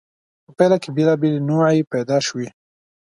په پایله کې بېلابېلې نوعې پیدا شوې.